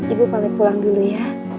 ibu paling pulang dulu ya